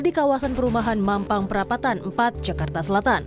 di kawasan perumahan mampang prapatan empat jakarta